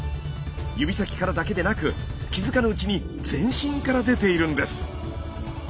指先からだけでなく気付かぬうちに全身から出ているんです。